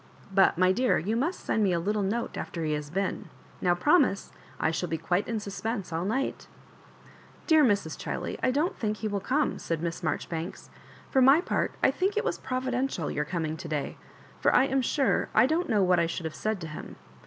But^ my dear, you must send me a tittle note after he has been. Now promise. I shall be quite in suspense all night." " Dear Mrs. Chiley, I don't thmk he will come," said Miss Marjorifoanka "For my part, I think it was providential your coming to day — for I am sure I dont know what I should have said to him.